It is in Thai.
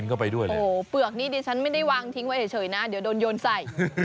เข้าไปด้วยนะโอ้โหเปลือกนี้ดิฉันไม่ได้วางทิ้งไว้เฉยนะเดี๋ยวโดนโยนใส่